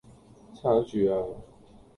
撐住呀